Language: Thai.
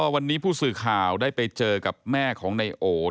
วันนี้ผู้สื่อข่าวได้ไปเจอกับแม่ของนายโอ